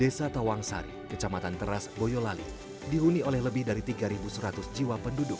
desa tawangsari kecamatan teras boyolali dihuni oleh lebih dari tiga seratus jiwa penduduk